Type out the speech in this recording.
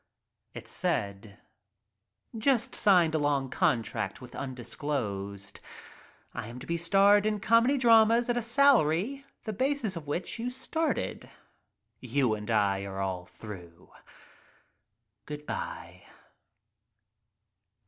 It said: "Just signed a long term contract with ——— I am to be starred in comedy dramas at a salary, the basis of which you started. You and I are all through. Goodbye.